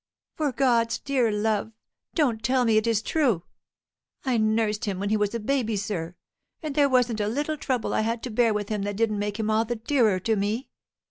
For God's dear love don't tell me it is true! I nursed him when he was a baby, sir; and there wasn't a little trouble I had to bear with him that didn't make him all the dearer to me.